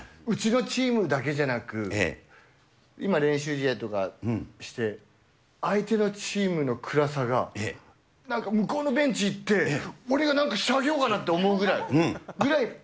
うちのチームだけじゃなく、今、練習試合とかして、相手のチームの暗さが、なんか向こうのベンチ行って、俺がなんかしてあげようかなって思うぐらい、ぐらい